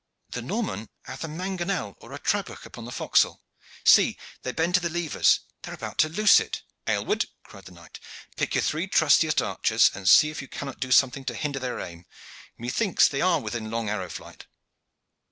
The Norman hath a mangonel or a trabuch upon the forecastle. See, they bend to the levers! They are about to loose it." "Aylward," cried the knight, "pick your three trustiest archers, and see if you cannot do something to hinder their aim. Methinks they are within long arrow flight."